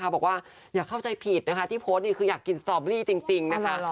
บอกว่าอย่าเข้าใจผิดนะคะที่โพสต์นี่คืออยากกินสตอเบอรี่จริงนะคะ